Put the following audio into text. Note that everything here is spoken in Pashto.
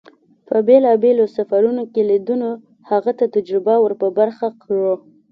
په بېلابېلو سفرون کې لیدنو هغه ته تجربه ور په برخه کړه.